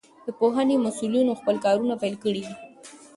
د پوهنې مسئولينو خپل کارونه پيل کړي دي.